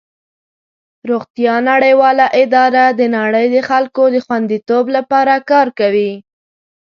روغتیا نړیواله اداره د نړۍ د خلکو د خوندیتوب لپاره کار کوي.